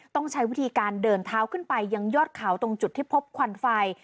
ต้องใช้วิธีการเดินเท้าขึ้นไปยังยอดเขาตรงจุดที่พบควันไฟ